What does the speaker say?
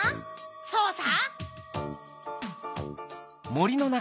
そうさ。